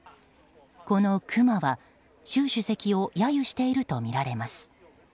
このクマは習主席を揶揄しているとみられます。